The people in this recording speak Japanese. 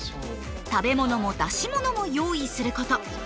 食べ物も出し物も用意すること。